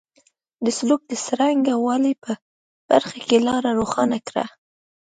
د سلوک د څرنګه والي په برخه کې لاره روښانه کړه.